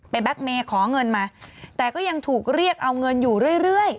แก๊กเมย์ขอเงินมาแต่ก็ยังถูกเรียกเอาเงินอยู่เรื่อย